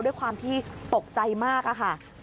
ด้วยความที่ตกใจมากค่ะ